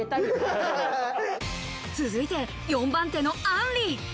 続いて４番手のあんり。